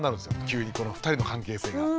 急にこの２人の関係性が。